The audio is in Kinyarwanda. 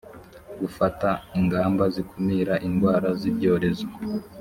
gufata ingamba zikumira indwara z’ibyorezo